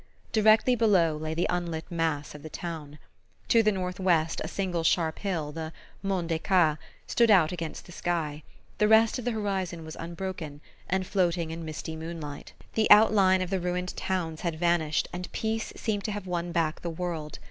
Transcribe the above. Directly below lay the unlit mass of the town. To the northwest a single sharp hill, the "Mont des Cats," stood out against the sky; the rest of the horizon was unbroken, and floating in misty moonlight. The outline of the ruined towns had vanished and peace seemed to have won back the world.